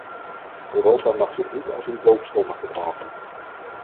Europa mag zich niet als een doofstomme gedragen.